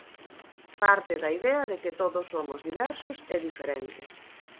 Parte da idea de que todos somos diversos e diferentes.